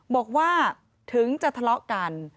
บอกว่าถึงจะทะเลาะกัน